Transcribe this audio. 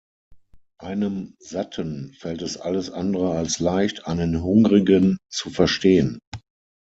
Einem Satten fällt es alles andere als leicht, einen Hungrigen zu verstehen.